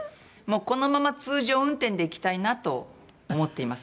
このまま通常運転でいきたいなと思っています